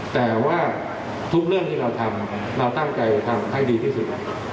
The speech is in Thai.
แต่ว่าทุกเรื่องที่เราทำเราตั้งใจทำให้ดีที่สุด